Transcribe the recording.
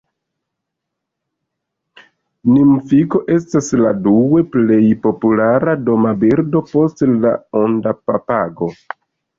Nimfiko estas la due plej populara doma birdo post la onda papago.